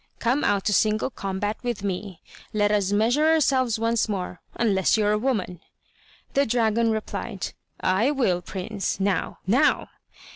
Come out to single combat with me; let us measure ourselves once more, unless you're a woman!" The dragon replied: "I will, prince; now, now!"